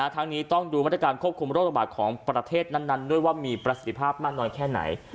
ทั้งนี้ต้องดูมาตรการควบคุมโรคระบาดของประเทศนั้นด้วยว่ามีประสิทธิภาพมากน้อยแค่ไหน